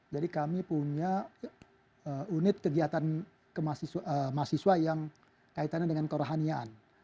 jadi kami punya unit kegiatan ke mahasiswa yang kaitannya dengan kerohaniaan